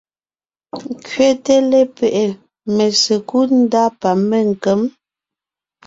Kẅéte lépée mésekúd ndá pa ménkěm.